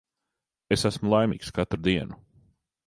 Es esmu laimīgs katru dienu.